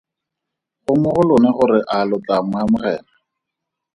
Go mo go lona gore a lo tlaa mo amogela.